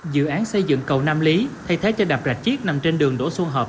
dự án xây dựng cầu nam lý thay thế cho đạp rạch chiếc nằm trên đường đỗ xuân hợp